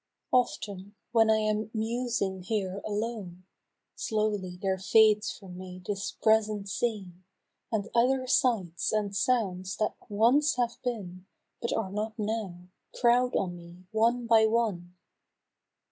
OFTEN, when I am musing here alone, Slowly there fades from me this present scene, And other sights and sounds that once have been But are not now, crowd on me one by one.